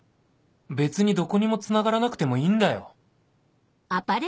別にどこにもつながらなくてもいいんだよ